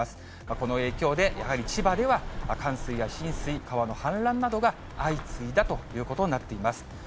この影響でやはり千葉では、冠水や浸水、川の氾濫などが相次いだということになっています。